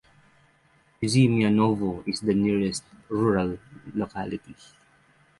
Yuzimyanovo is the nearest rural locality.